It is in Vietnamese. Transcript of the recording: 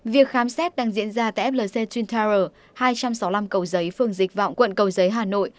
việc khám xét đang diễn ra tại flc twin tower hai trăm sáu mươi năm cầu giấy phương dịch vọng quận cầu giấy hà nội